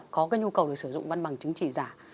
có nhu cầu sử dụng văn bằng chứng chỉ giả